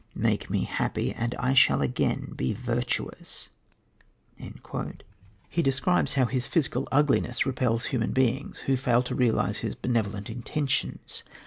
Make me happy, and I shall again be virtuous." He describes how his physical ugliness repels human beings, who fail to realise his benevolent intentions.